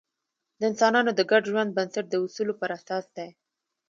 د انسانانو د ګډ ژوند بنسټ د اصولو پر اساس دی.